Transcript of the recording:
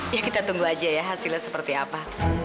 ya kita tunggu aja ya hasilnya seperti apa